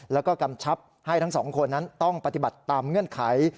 แล้วก็กำชับให้ทั้งสองคนนั้นต้องปฏิบัติตามเงื่อนไข